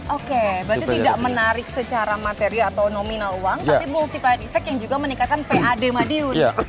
oke berarti tidak menarik secara materi atau nominal uang tapi multiplier effect yang juga meningkatkan pad madiun